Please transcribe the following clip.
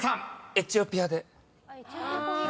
「エチオピア」で。